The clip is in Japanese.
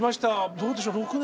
どうでしょう６年。